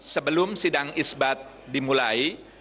sebelum sidang isbat dimulai